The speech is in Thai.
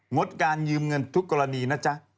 ดการยืมเงินทุกกรณีนะจ๊ะ